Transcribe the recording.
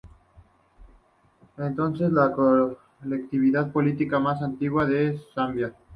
Es entonces la colectividad política más antigua de Zambia.